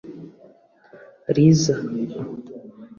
Liza